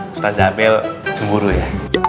ustaz abel cemburu ya